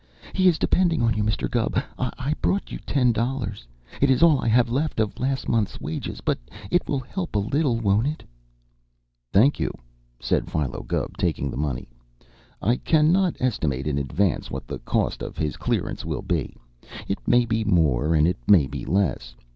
He is depending on you, Mr. Gubb. I brought you ten dollars it is all I have left of last month's wages, but it will help a little, won't it?" "Thank you," said Philo Gubb, taking the money. "I cannot estimate in advance what the cost of his clearance will be. It may be more, and it may be less.